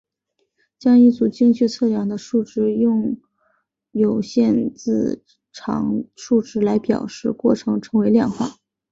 将一组精确测量的数值用有限字长的数值来表示的过程称为量化。